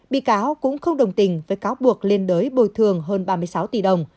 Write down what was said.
bị cáo cũng không đồng tình với cáo buộc liên đới bồi thường hơn ba mươi sáu tỷ đồng